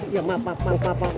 ya mak pak pak pak pak